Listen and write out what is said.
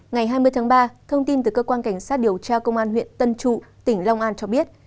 ngày hai mươi tháng ba thông tin từ cơ quan cảnh sát điều tra công an huyện tân trụ tỉnh long an cho biết